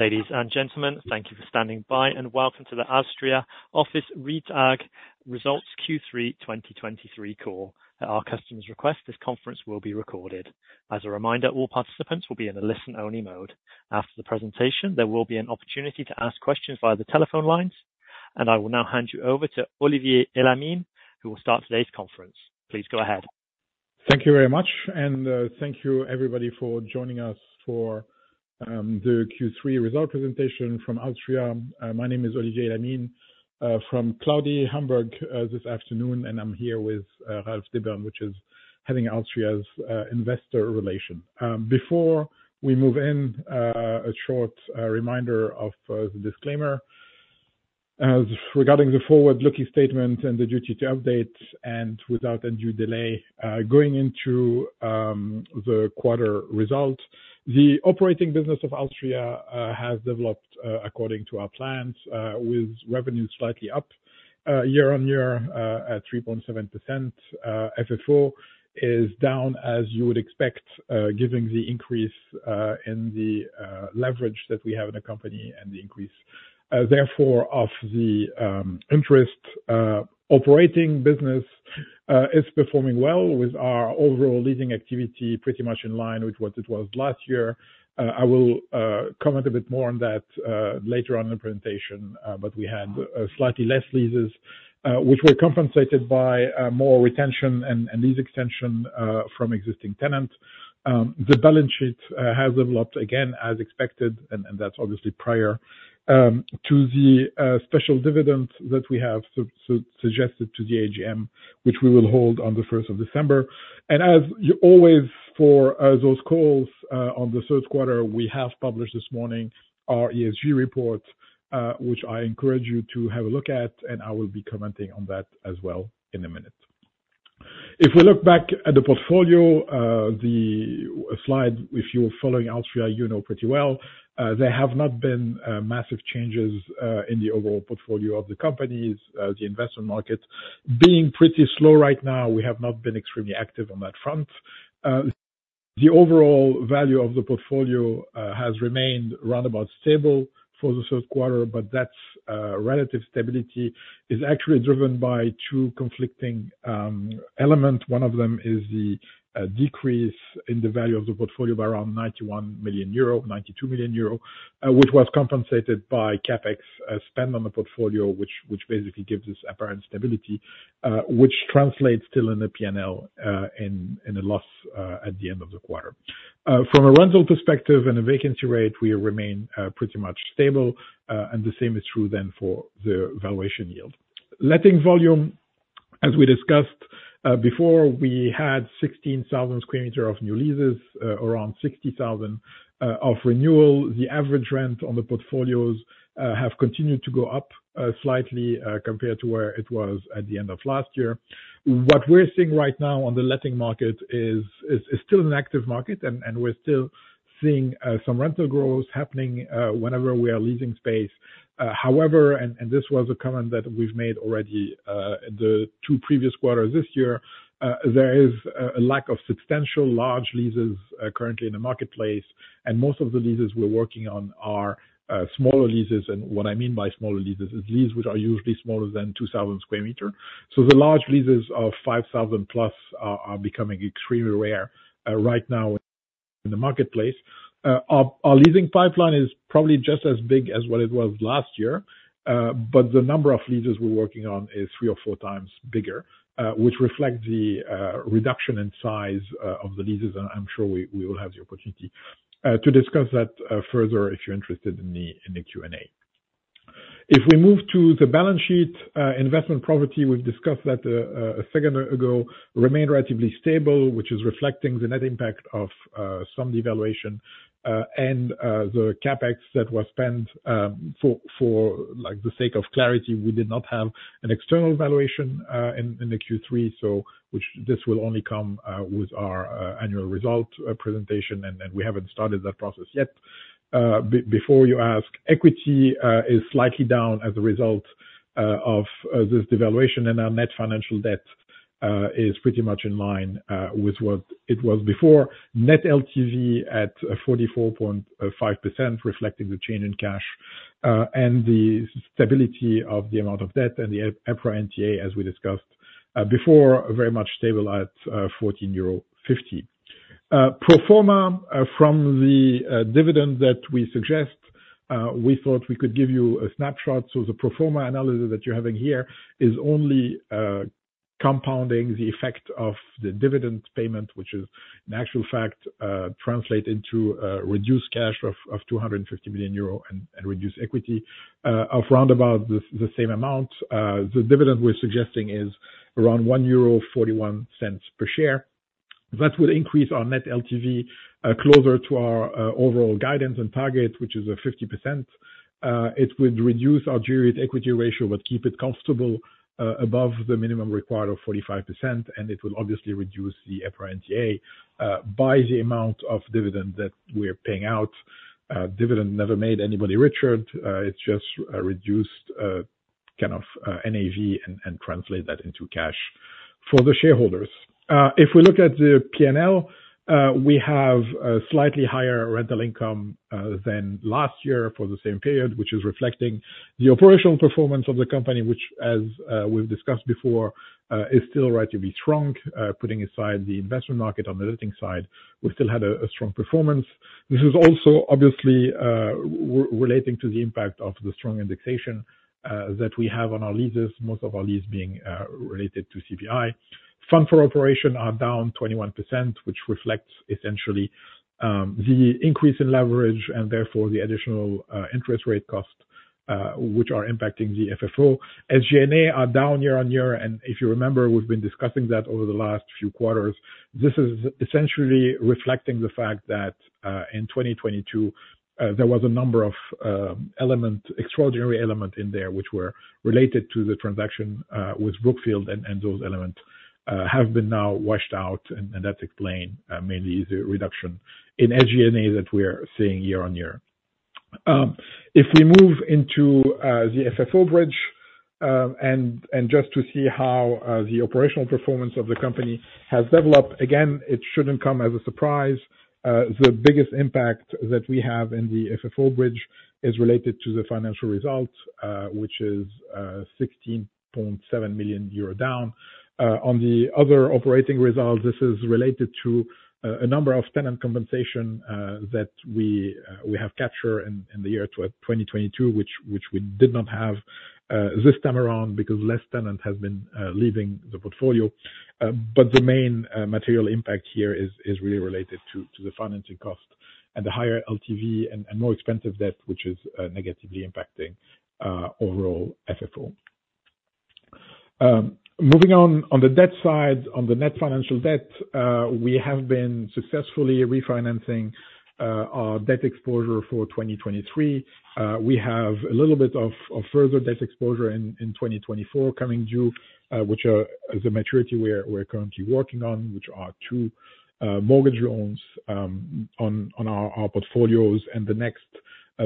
Ladies and gentlemen, thank you for standing by, and welcome to the alstria office REIT-AG results Q3 2023 call. At our customer's request, this conference will be recorded. As a reminder, all participants will be in a listen-only mode. After the presentation, there will be an opportunity to ask questions via the telephone lines, and I will now hand you over to Olivier Elamine, who will start today's conference. Please go ahead. Thank you very much, and thank you everybody for joining us for the Q3 result presentation from alstria. My name is Olivier Elamine from lovely Hamburg this afternoon, and I'm here with Ralf Dibbern, which is heading alstria's investor relations. Before we move in, a short reminder of the disclaimer, as regarding the forward-looking statement and the duty to update, and without undue delay, going into the quarter results. The operating business of alstria has developed according to our plans with revenue slightly up year-on-year at 3.7%. FFO is down as you would expect, giving the increase in the leverage that we have in the company and the increase therefore of the interest. Operating business is performing well with our overall leasing activity pretty much in line with what it was last year. I will comment a bit more on that later on in the presentation, but we had slightly less leases, which were compensated by more retention and lease extension from existing tenants. The balance sheet has developed again, as expected, and that's obviously prior to the special dividend that we have suggested to the AGM, which we will hold on the first of December. As always for those calls on the third quarter, we have published this morning our ESG report, which I encourage you to have a look at, and I will be commenting on that as well in a minute. If we look back at the portfolio, the slide, if you're following alstria, you know pretty well, there have not been massive changes in the overall portfolio of the companies. The investment market being pretty slow right now, we have not been extremely active on that front. The overall value of the portfolio has remained roundabout stable for the third quarter, but that's relative stability is actually driven by two conflicting elements. One of them is the decrease in the value of the portfolio by around 91 million euro, 92 million euro, which was compensated by CapEx spent on the portfolio, which basically gives this apparent stability, which translates still in the P&L in a loss at the end of the quarter. From a rental perspective and a vacancy rate, we remain pretty much stable, and the same is true then for the valuation yield. Letting volume, as we discussed before, we had 16,000 sq m of new leases, around 60,000 of renewal. The average rent on the portfolios have continued to go up slightly, compared to where it was at the end of last year. What we're seeing right now on the letting market is still an active market, and we're still seeing some rental growth happening whenever we are leasing space. However, and this was a comment that we've made already, the two previous quarters this year, there is a lack of substantial large leases currently in the marketplace, and most of the leases we're working on are smaller leases. And what I mean by smaller leases is leases which are usually smaller than 2,000 sq m. So the large leases of 5,000 plus are becoming extremely rare right now in the marketplace. Our leasing pipeline is probably just as big as what it was last year, but the number of leases we're working on is three or four times bigger, which reflects the reduction in size of the leases. And I'm sure we will have the opportunity to discuss that further if you're interested in the Q&A. If we move to the balance sheet, investment property, we've discussed that a second ago, remained relatively stable, which is reflecting the net impact of some devaluation and the CapEx that was spent for like the sake of clarity. We did not have an external valuation in the Q3, so which this will only come with our annual result presentation, and we haven't started that process yet. Before you ask, equity is slightly down as a result of this devaluation, and our net financial debt is pretty much in line with what it was before. Net LTV at 44.5%, reflecting the change in cash and the stability of the amount of debt and the EPRA NTA, as we discussed before, very much stable at 14.50 euro. Pro forma from the dividend that we suggest, we thought we could give you a snapshot. So the pro forma analysis that you're having here is only compounding the effect of the dividend payment, which is in actual fact translate into reduced cash of 250 million euro and reduced equity of roundabout the same amount. The dividend we're suggesting is around 1.41 euro per share. That would increase our net LTV closer to our overall guidance and target, which is at 50%. It would reduce our geared equity ratio, but keep it comfortable above the minimum required of 45%, and it will obviously reduce the EPRA NTA by the amount of dividend that we're paying out. Dividend never made anybody richer. It's just a reduced kind of NAV and translate that into cash for the shareholders. If we look at the P&L, we have a slightly higher rental income than last year for the same period, which is reflecting the operational performance of the company, which, as we've discussed before, is still relatively strong. Putting aside the investment market on the leasing side, we still had a strong performance. This is also obviously relating to the impact of the strong indexation that we have on our leases. Most of our leases being related to CPI. Funds from operations are down 21%, which reflects essentially the increase in leverage and therefore the additional interest rate cost, which are impacting the FFO. SG&A are down year-over-year, and if you remember, we've been discussing that over the last few quarters. This is essentially reflecting the fact that in 2022 there was a number of extraordinary elements in there, which were related to the transaction with Brookfield, and those elements have been now washed out, and that's explained mainly the reduction in SG&A that we are seeing year-over-year. If we move into the FFO bridge, and just to see how the operational performance of the company has developed. Again, it shouldn't come as a surprise. The biggest impact that we have in the FFO bridge is related to the financial results, which is 16.7 million euro down. On the other operating results, this is related to a number of tenant compensation that we have captured in the year 2022, which we did not have this time around because less tenant has been leaving the portfolio. But the main material impact here is really related to the financing cost and the higher LTV and more expensive debt, which is negatively impacting overall FFO. Moving on, on the debt side, on the net financial debt, we have been successfully refinancing our debt exposure for 2023. We have a little bit of further debt exposure in 2024 coming due, which is a maturity we're currently working on, which are two mortgage loans on our portfolios, and the next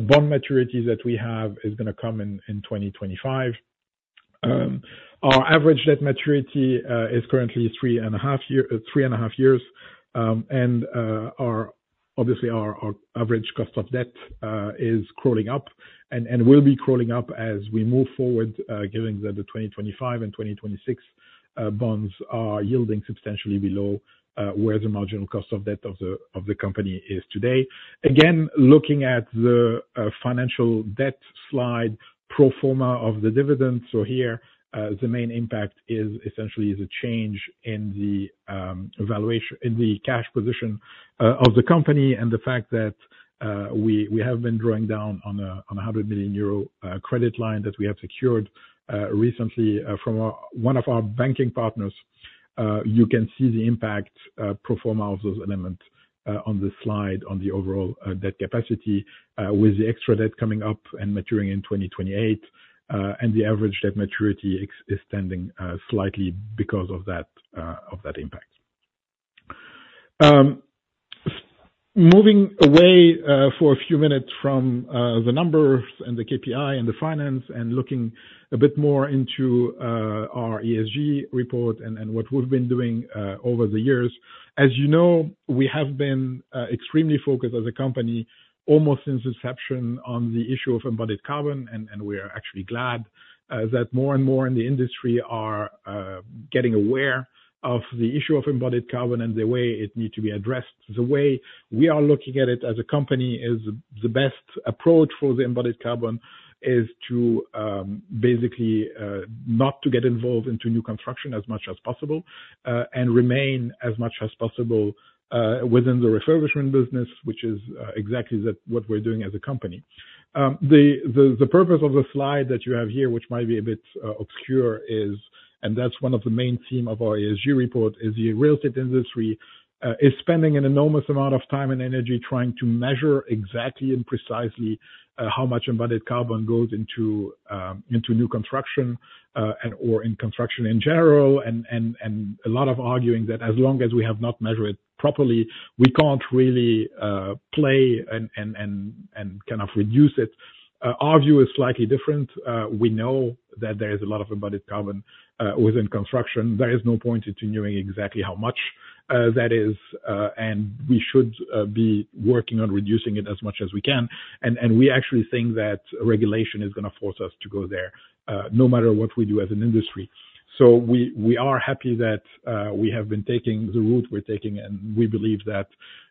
bond maturity that we have is gonna come in 2025. Our average debt maturity is currently 3.5 years. And obviously, our average cost of debt is crawling up and will be crawling up as we move forward, given that the 2025 and 2026 bonds are yielding substantially below where the marginal cost of debt of the company is today. Again, looking at the financial debt slide, pro forma of the dividend. Here, the main impact is essentially the change in the valuation in the cash position of the company, and the fact that we have been drawing down on a 100 million euro credit line that we have secured recently from one of our banking partners. You can see the impact pro forma of those elements on the slide on the overall debt capacity with the extra debt coming up and maturing in 2028, and the average debt maturity extending slightly because of that impact. Moving away for a few minutes from the numbers and the KPI and the finance, and looking a bit more into our ESG report and what we've been doing over the years. As you know, we have been extremely focused as a company, almost since inception, on the issue of embodied carbon, and we are actually glad that more and more in the industry are getting aware of the issue of embodied carbon and the way it needs to be addressed. The way we are looking at it as a company is, the best approach for the embodied carbon is to basically not to get involved into new construction as much as possible, and remain as much as possible within the refurbishment business, which is exactly the—what we're doing as a company. The purpose of the slide that you have here, which might be a bit obscure, is. That's one of the main theme of our ESG report, is the real estate industry is spending an enormous amount of time and energy trying to measure exactly and precisely how much embodied carbon goes into into new construction and/or in construction in general. And a lot of arguing that as long as we have not measured it properly, we can't really play and kind of reduce it. Our view is slightly different. We know that there is a lot of embodied carbon within construction. There is no point to knowing exactly how much that is and we should be working on reducing it as much as we can. And we actually think that regulation is gonna force us to go there no matter what we do as an industry. So we are happy that we have been taking the route we're taking, and we believe that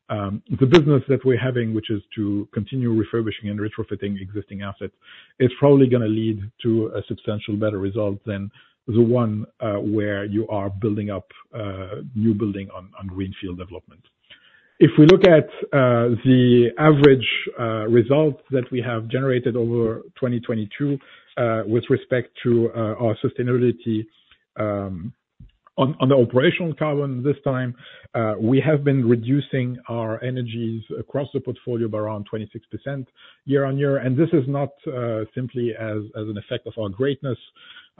the business that we're having, which is to continue refurbishing and retrofitting existing assets, is probably gonna lead to a substantial better result than the one where you are building up new building on greenfield development. If we look at the average results that we have generated over 2022 with respect to our sustainability on the operational carbon this time, we have been reducing our energies across the portfolio by around 26% year-on-year. And this is not simply as an effect of our greatness.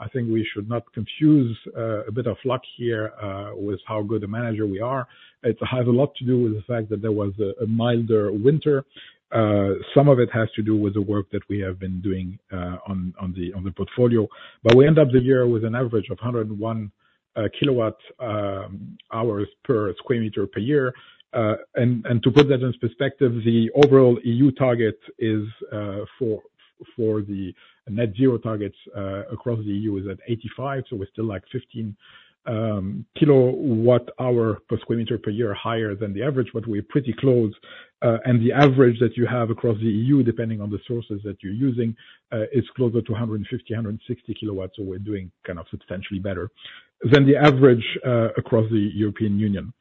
I think we should not confuse a bit of luck here with how good a manager we are. It has a lot to do with the fact that there was a milder winter. Some of it has to do with the work that we have been doing on the portfolio. But we end up the year with an average of 101 kWh per sq m per year. And to put that into perspective, the overall EU target is for the net zero targets across the EU is at 85, so we're still like 15 kWh per sq m per year higher than the average, but we're pretty close. And the average that you have across the EU, depending on the sources that you're using, is closer to 150, 160 kW. So we're doing kind of substantially better than the average across the European Union.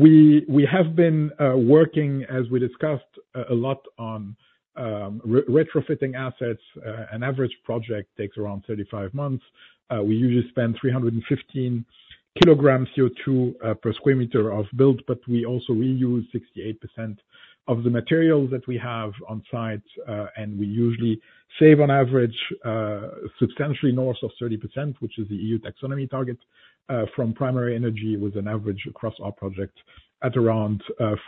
We have been working, as we discussed, a lot on retrofitting assets. An average project takes around 35 months. We usually spend 315 kg CO₂ per sq m of build, but we also reuse 68% of the materials that we have on site. And we usually save on average substantially north of 30%, which is the EU taxonomy target, from primary energy, with an average across our project at around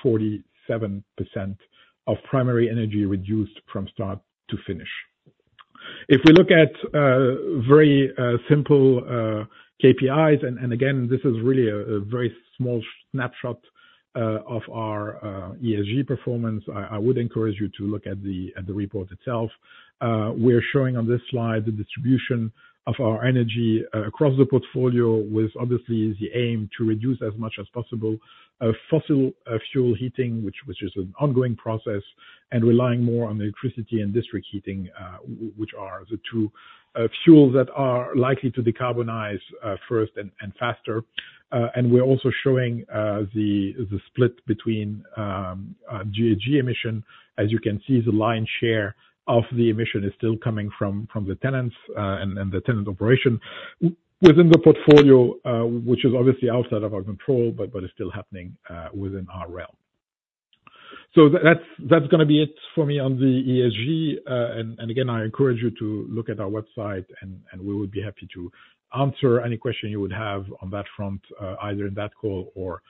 47% of primary energy reduced from start to finish. If we look at very simple KPIs, and again, this is really a very small snapshot of our ESG performance. I would encourage you to look at the report itself. We're showing on this slide the distribution of our energy across the portfolio, with obviously the aim to reduce as much as possible fossil fuel heating, which is an ongoing process, and relying more on electricity and district heating, which are the two fuels that are likely to decarbonize first and faster. And we're also showing the split between GHG emission. As you can see, the lion's share of the emission is still coming from the tenants and the tenant operation within the portfolio, which is obviously outside of our control, but it's still happening within our realm. So that's gonna be it for me on the ESG, and again, I encourage you to look at our website and we would be happy to answer any question you would have on that front, either in that call or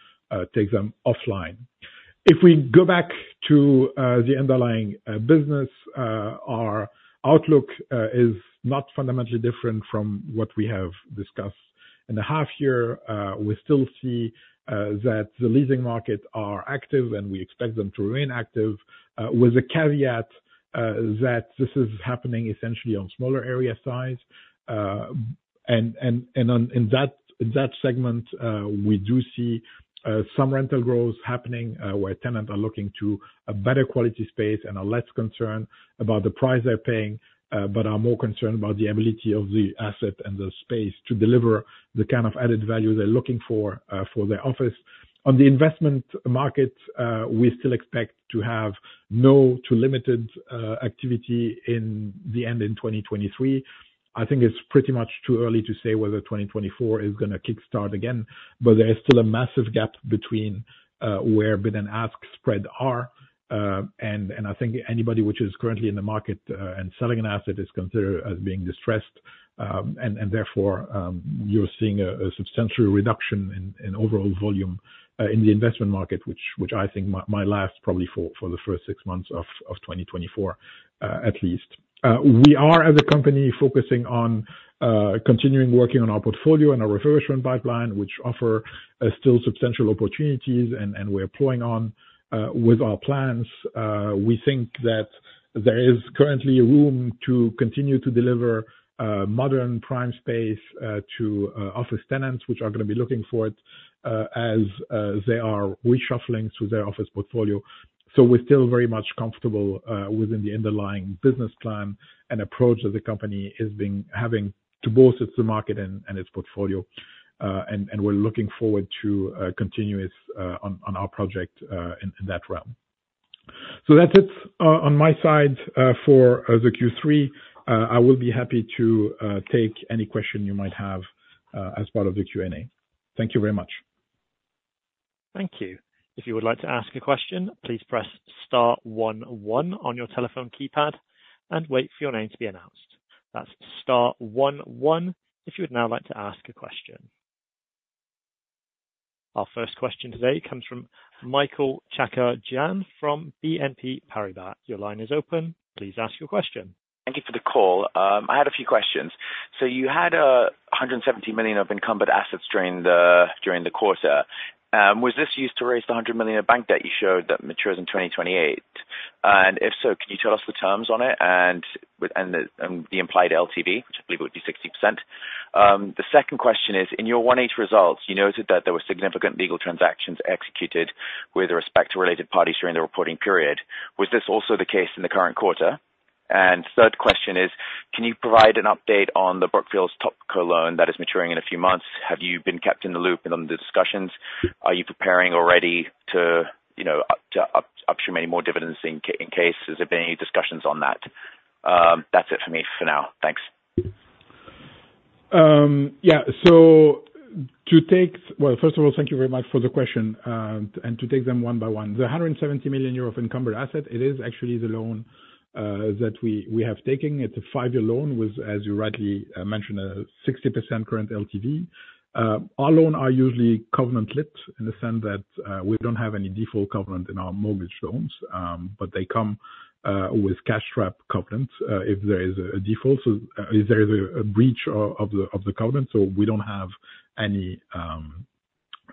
take them offline. If we go back to the underlying business, our outlook is not fundamentally different from what we have discussed. In the half year, we still see that the leasing markets are active, and we expect them to remain active, with the caveat that this is happening essentially on smaller area size. In that, in that segment, we do see some rental growth happening, where tenants are looking to a better quality space and are less concerned about the price they're paying, but are more concerned about the ability of the asset and the space to deliver the kind of added value they're looking for, for their office. On the investment market, we still expect to have no to limited activity in the end in 2023. I think it's pretty much too early to say whether 2024 is gonna kickstart again, but there is still a massive gap between where bid and ask spread are. And I think anybody which is currently in the market and selling an asset is considered as being distressed. Therefore, you're seeing a substantial reduction in overall volume in the investment market, which I think might last probably for the first six months of 2024, at least. We are, as a company, focusing on continuing working on our portfolio and our reversion pipeline, which offer still substantial opportunities, and we're pushing on with our plans. We think that there is currently room to continue to deliver modern prime space to office tenants, which are gonna be looking for it as they are reshuffling through their office portfolio. So we're still very much comfortable within the underlying business plan, and approach of the company is being true to both its market and its portfolio. We're looking forward to continuous on our project in that realm. So that's it on my side for the Q3. I will be happy to take any question you might have as part of the Q&A. Thank you very much. Thank you. If you would like to ask a question, please press star one one on your telephone keypad and wait for your name to be announced. That's star one one, if you would now like to ask a question. Our first question today comes from Michael Chakardjian from BNP Paribas. Your line is open. Please ask your question. Thank you for the call. I had a few questions. So you had 170 million of encumbered assets during the quarter. Was this used to raise the 100 million in bank debt you showed that matures in 2028? And if so, can you tell us the terms on it, and the implied LTV, which I believe would be 60%. The second question is, in your 1H results, you noted that there were significant legal transactions executed with respect to related parties during the reporting period. Was this also the case in the current quarter? And third question is, can you provide an update on the Brookfield's Topco loan that is maturing in a few months? Have you been kept in the loop and on the discussions, are you preparing already to, you know, to upstream any more dividends in case? Has there been any discussions on that? That's it for me for now. Thanks. Yeah. So, to take, well, first of all, thank you very much for the question, and to take them one by one. The 170 million euro of encumbered asset, it is actually the loan that we have taken. It's a five-year loan with, as you rightly mentioned, a 60% current LTV. Our loan are usually covenant-lite, in the sense that we don't have any default covenant in our mortgage loans, but they come with cash trap covenants. If there is a default, so if there is a breach of the covenant, so we don't have any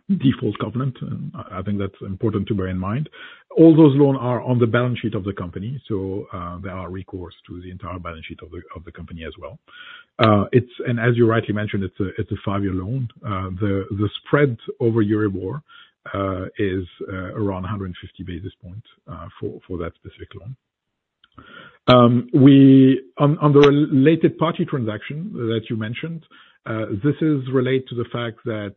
default covenant, and I think that's important to bear in mind. All those loans are on the balance sheet of the company, so there are recourse to the entire balance sheet of the company as well. As you rightly mentioned, it's a five-year loan. The spread over Euribor is around 150 basis points for that specific loan. On the related party transaction that you mentioned, this is related to the fact that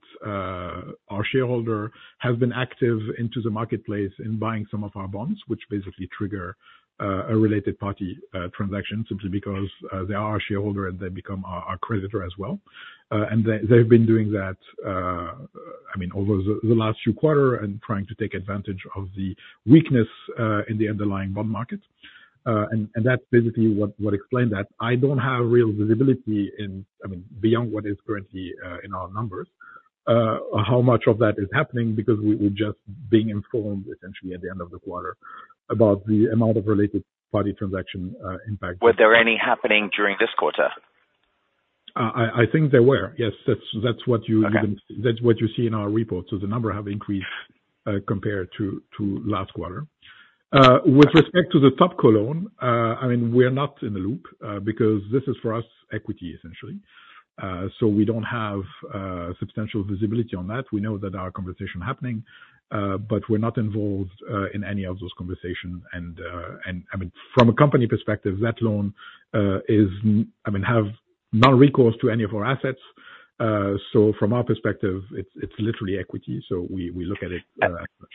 our shareholder has been active into the marketplace in buying some of our bonds, which basically trigger a related party transaction, simply because they are our shareholder and they become our creditor as well. And they, they've been doing that, I mean, over the last few quarter and trying to take advantage of the weakness in the underlying bond market. And that's basically what explained that. I don't have real visibility in, I mean, beyond what is currently in our numbers, how much of that is happening because we're just being informed essentially at the end of the quarter, about the amount of related party transaction impact. Were there any happening during this quarter? I think there were. Yes, that's what you- Okay. That's what you see in our report. So the number have increased compared to last quarter. With respect to the Topco loan, I mean, we're not in the loop because this is for us equity essentially. So we don't have substantial visibility on that. We know that our conversation happening, but we're not involved in any of those conversations. And I mean, from a company perspective, that loan is, I mean, have non-recourse to any of our assets. So from our perspective, it's literally equity, so we look at it as much.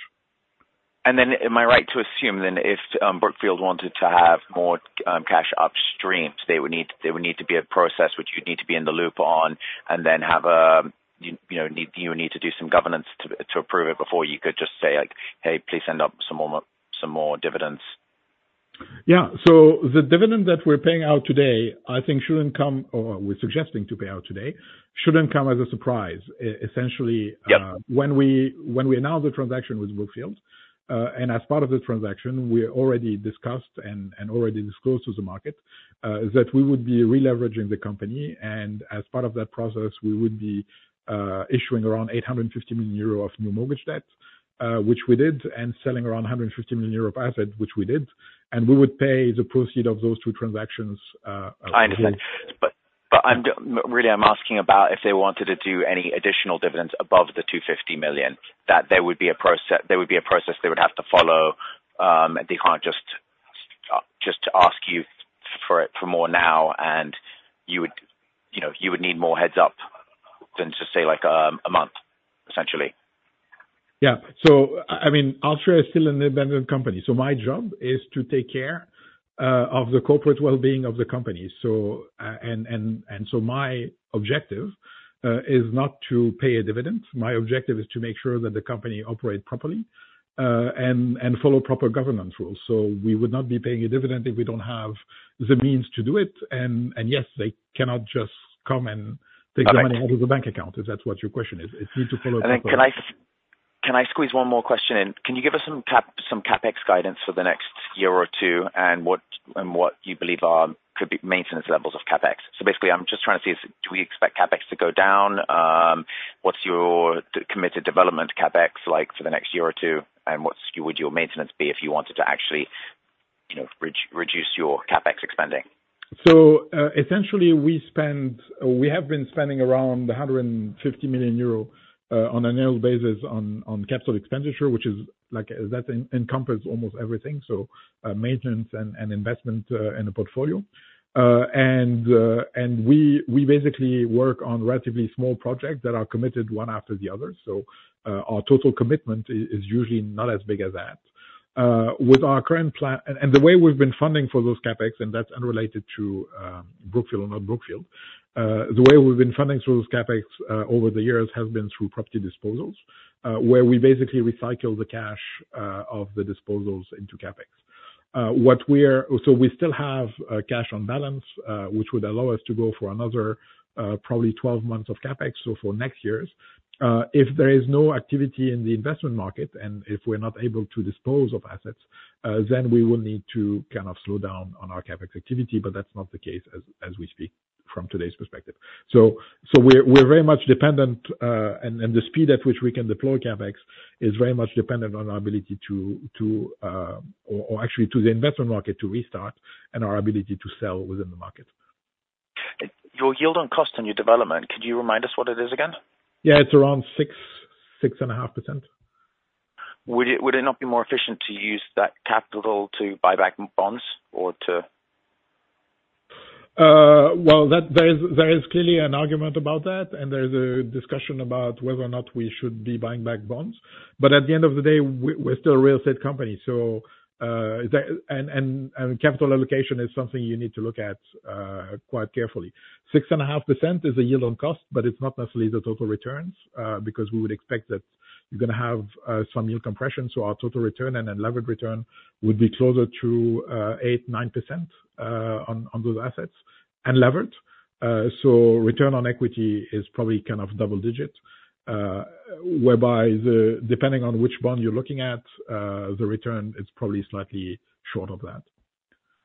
And then am I right to assume then if Brookfield wanted to have more cash upstream, they would need, there would need to be a process which you'd need to be in the loop on, and then you know you would need to do some governance to approve it before you could just say, like, "Hey, please send up some more, some more dividends? Yeah. So the dividend that we're paying out today, I think, shouldn't come as a surprise, or we're suggesting to pay out today, shouldn't come as a surprise. Essentially- Yep. When we announce the transaction with Brookfield, and as part of the transaction, we already discussed and already disclosed to the market that we would be re-leveraging the company, and as part of that process, we would be issuing around 850 million euro of new mortgage debt, which we did, and selling around 150 million euro of assets, which we did, and we would pay the proceeds of those two transactions. I understand. But I'm really, I'm asking about if they wanted to do any additional dividends above the 250 million, that there would be a process they would have to follow, and they can't just, just to ask you for, for more now, and you would, you know, you would need more heads-up than just, say, like, a month, essentially. Yeah. So I mean, alstria is still an independent company, so my job is to take care of the corporate well-being of the company. So my objective is not to pay a dividend. My objective is to make sure that the company operate properly and follow proper governance rules. So we would not be paying a dividend if we don't have the means to do it, and yes, they cannot just come and take the money- Got it. -out of the bank account, if that's what your question is. It need to follow the proper- And can I squeeze one more question in? Can you give us some CapEx guidance for the next year or two, and what you believe are, could be maintenance levels of CapEx? So basically, I'm just trying to see is, do we expect CapEx to go down? What's your committed development CapEx like for the next year or two, and what's would your maintenance be if you wanted to actually, you know, reduce your CapEx spending? So, essentially, we have been spending around 150 million euro on an annual basis on capital expenditure, which is like, that encompasses almost everything, so maintenance and investment in the portfolio. And we basically work on relatively small projects that are committed one after the other. So, our total commitment is usually not as big as that. With our current plan. And the way we've been funding for those CapEx, and that's unrelated to Brookfield or not Brookfield. The way we've been funding through those CapEx over the years has been through property disposals, where we basically recycle the cash of the disposals into CapEx. So we still have cash on balance, which would allow us to go for another probably 12 months of CapEx, so for next year's. If there is no activity in the investment market, and if we're not able to dispose of assets, then we will need to kind of slow down on our CapEx activity, but that's not the case as we speak from today's perspective. So we're very much dependent, and the speed at which we can deploy CapEx is very much dependent on our ability to actually to the investment market to restart and our ability to sell within the market. Your yield on cost on your development, could you remind us what it is again? Yeah, it's around 6-6.5%. Would it not be more efficient to use that capital to buy back bonds or to? Well, there is clearly an argument about that, and there's a discussion about whether or not we should be buying back bonds. But at the end of the day, we're still a real estate company, so that. And capital allocation is something you need to look at quite carefully. 6.5% is a yield on cost, but it's not necessarily the total returns because we would expect that. You're gonna have some yield compression, so our total return and then levered return would be closer to 8%-9% on those assets. And levered, so return on equity is probably kind of double-digits, whereby the, depending on which one you're looking at, the return is probably slightly short of that.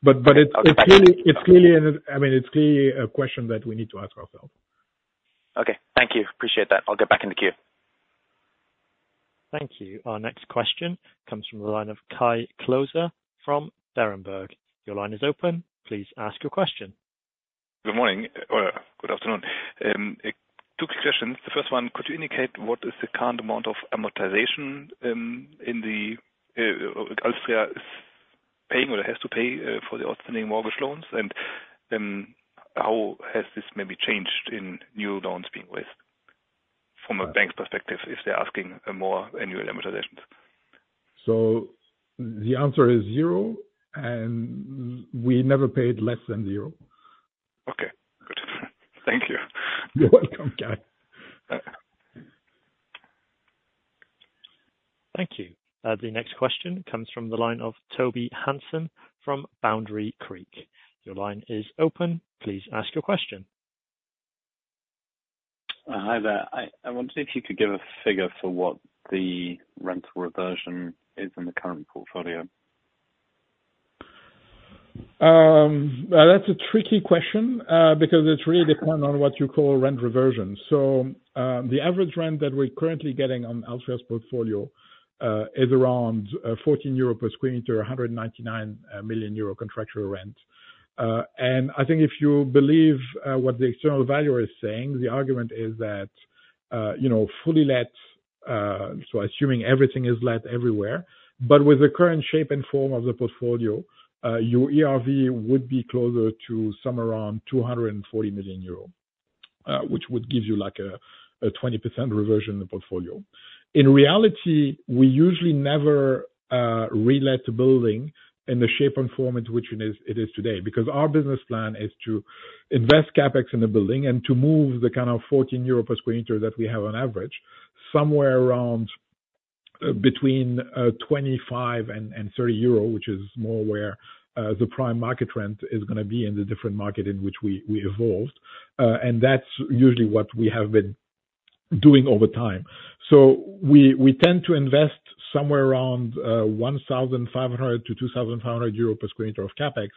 But it's clearly, I mean, it's clearly a question that we need to ask ourselves. Okay, thank you. Appreciate that. I'll get back in the queue. Thank you. Our next question comes from the line of Kai Klose from Berenberg. Your line is open. Please ask your question. Good morning, or good afternoon. Two quick questions. The first one, could you indicate what is the current amount of amortization in the alstria is paying or has to pay for the outstanding mortgage loans? And how has this maybe changed in new loans being raised from a bank's perspective, if they're asking more annual amortizations? The answer is zero, and we never paid less than zero. Okay, good. Thank you. You're welcome, Kai. Thank you. The next question comes from the line of Toby Hanson from Boundary Creek. Your line is open. Please ask your question. Hi there. I wondered if you could give a figure for what the rental reversion is in the current portfolio. Well, that's a tricky question, because it really depend on what you call rent reversion. So, the average rent that we're currently getting on alstria's portfolio is around 14 euro per sq m, 199 million euro contractual rent. And I think if you believe what the external valuer is saying, the argument is that, you know, fully let, so assuming everything is let everywhere, but with the current shape and form of the portfolio, your ERV would be closer to somewhere around 240 million euro. Which would give you like a 20% reversion in the portfolio. In reality, we usually never re-let the building in the shape and form into which it is today. Because our business plan is to invest CapEx in the building and to move the kind of 14 euro per sq m that we have on average, somewhere around between 25 and 30 euro, which is more where the prime market rent is gonna be in the different market in which we evolved. And that's usually what we have been doing over time. So we tend to invest somewhere around 1,500- 2,500 euro per sq m of CapEx,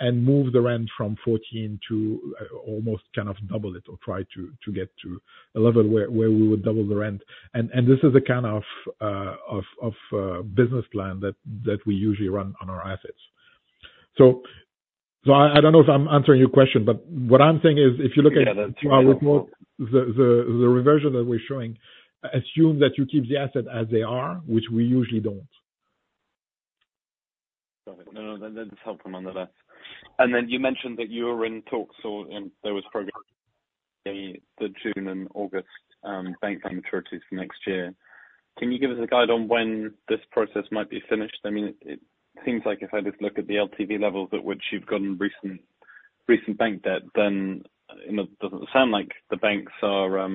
and move the rent from 14 to almost kind of double it or try to get to a level where we would double the rent. And this is the kind of business plan that we usually run on our assets. So, I don't know if I'm answering your question, but what I'm saying is, if you look at- Yeah, that's helpful. The reversion that we're showing, assume that you keep the asset as they are, which we usually don't. Got it. No, no, that's helpful, nonetheless. And then you mentioned that you were in talks or, and there was progress on the June and August bank term maturities for next year. Can you give us a guide on when this process might be finished? I mean, it seems like if I just look at the LTV levels at which you've gotten recent bank debt, then, you know, it doesn't sound like the banks are are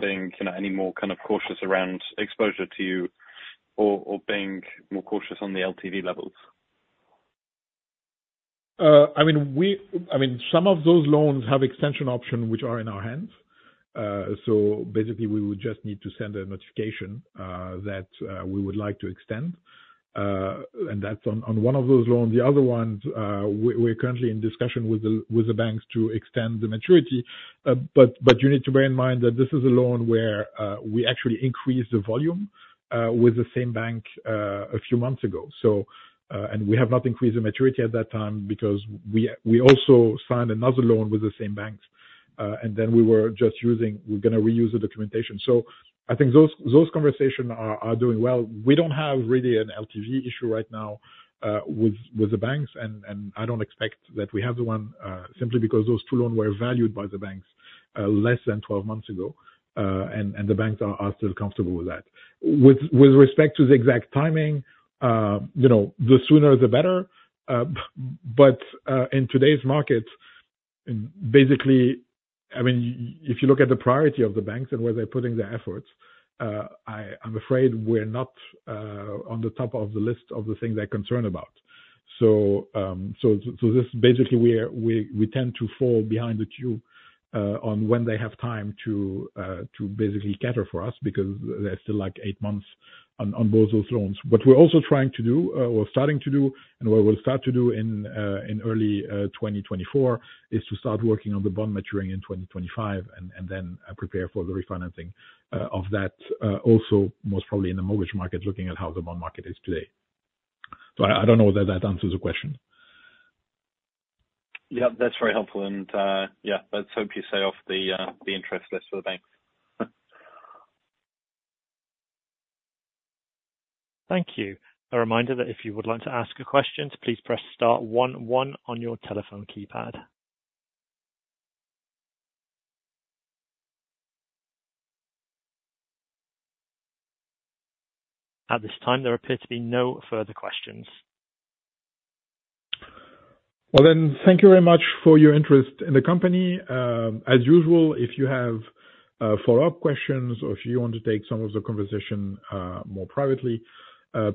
being, you know, any more kind of cautious around exposure to you or, or being more cautious on the LTV levels. I mean, some of those loans have extension option, which are in our hands. So basically we would just need to send a notification that we would like to extend. And that's on one of those loans. The other ones, we're currently in discussion with the banks to extend the maturity. But you need to bear in mind that this is a loan where we actually increased the volume with the same bank a few months ago. And we have not increased the maturity at that time because we also signed another loan with the same banks, and then we're gonna reuse the documentation. So I think those conversations are doing well. We don't have really an LTV issue right now, uh, with, with the banks, and, and I don't expect that we have the one, uh, simply because those two loans were valued by the banks, uh, less than twelve months ago. Uh, and, and the banks are, are still comfortable with that. With, with respect to the exact timing, uh, you know, the sooner, the better. Uh, but, uh, in today's market, basically, I mean, if you look at the priority of the banks and where they're putting their efforts, uh, I'm afraid we're not, uh, on the top of the list of the things they're concerned about. So, um, so, so this basically, we are- we, we tend to fall behind the queue, uh, on when they have time to, uh, to basically gather for us, because there's still like eight months on, on both those loans. What we're also trying to do, or starting to do and what we'll start to do in early 2024, is to start working on the bond maturing in 2025, and, and then, prepare for the refinancing of that, also most probably in the mortgage market, looking at how the bond market is today. So I, I don't know whether that answers the question. Yeah, that's very helpful. Yeah, let's hope you stay off the interest list for the banks. Thank you. A reminder that if you would like to ask a question, please press star one one on your telephone keypad. At this time, there appear to be no further questions. Well, then, thank you very much for your interest in the company. As usual, if you have follow-up questions or if you want to take some of the conversation more privately,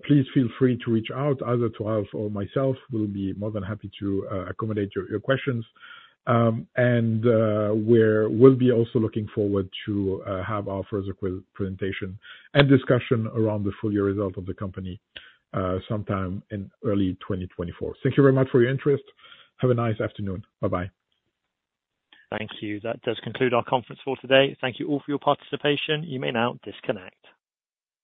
please feel free to reach out either to Ralf or myself. We'll be more than happy to accommodate your questions. And we'll be also looking forward to have our first presentation and discussion around the full year results of the company sometime in early 2024. Thank you very much for your interest. Have a nice afternoon. Bye-bye. Thank you. That does conclude our conference call today. Thank you all for your participation. You may now disconnect.